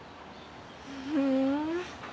ふん。